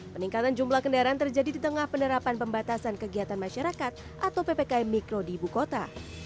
peningkatan jumlah kendaraan terjadi di tengah penerapan pembatasan kegiatan masyarakat atau ppkm mikro di ibu kota